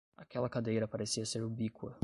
Aquela cadeira parecia ser ubíqua.